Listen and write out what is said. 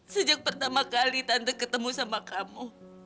sejak pertama kali tante ketemu sama kamu